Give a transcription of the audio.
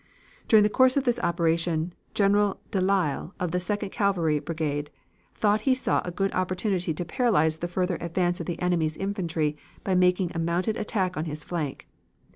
"During the course of this operation General De Lisle, of the Second Cavalry Brigade, thought he saw a good opportunity to paralyze the further advance of the enemy's infantry by making a mounted attack on his flank.